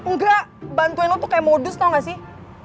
enggak bantuin lu tuh kayak modus tau gak sih